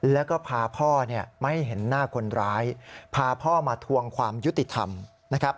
แล้วก็พาพ่อเนี่ยไม่ให้เห็นหน้าคนร้ายพาพ่อมาทวงความยุติธรรมนะครับ